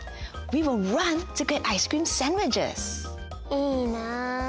いいなあ。